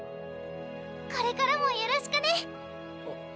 これからもよろしくね！